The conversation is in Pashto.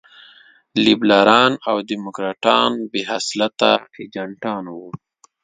لېبرالان او ډيموکراټان بې خصلته اجنټان وو.